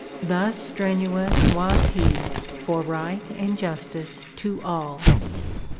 Thus strenuous was he for right and justice to all.